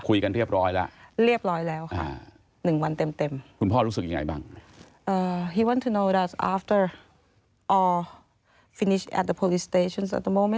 คุยกันเรียบร้อยแล้วเรียบร้อยแล้วค่ะ๑วันเต็ม